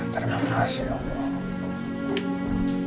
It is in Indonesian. terima kasih allah